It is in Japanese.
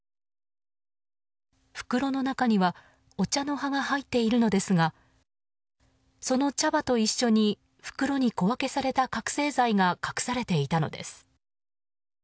袋の中にはお茶の葉が入っているのですがその茶葉と一緒に袋に小分けされた覚醒剤が隠されていたのです。